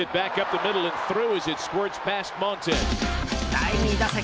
第２打席